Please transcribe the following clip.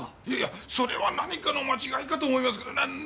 いやいやそれは何かの間違いかと思いますけど。